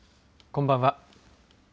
こんばんは。